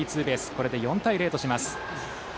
これで４対０とします。